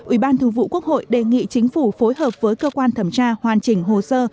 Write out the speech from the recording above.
ủy ban thường vụ quốc hội đề nghị chính phủ phối hợp với cơ quan thẩm tra hoàn chỉnh hồ sơ